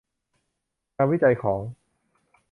งานวิจัยของ